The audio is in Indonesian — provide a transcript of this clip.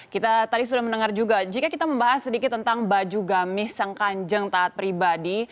kita tadi sudah mendengar juga jika kita membahas sedikit tentang baju gamis yang kanjeng taat pribadi